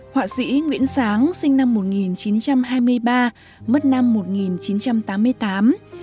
họa sĩ nguyễn sáng sinh năm một nghìn chín trăm hai mươi ba mất năm một nghìn chín trăm tám mươi tám